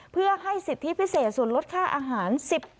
เพื่อให้สิทธิพิเศษส่วนลดค่าอาหาร๑๐